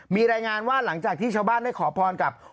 มีรายงานว่าหลังจากที่ชาวบ้านได้ขอพรกับ